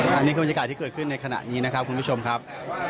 อันนี้คือมันจากที่เกิดขึ้นในขณะนี้คุณผู้ชมครับ